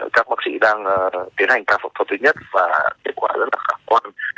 các bác sĩ đang tiến hành ca phẫu thuật thứ nhất và kết quả rất là khả quan